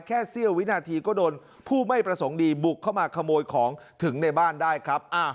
เสี้ยววินาทีก็โดนผู้ไม่ประสงค์ดีบุกเข้ามาขโมยของถึงในบ้านได้ครับ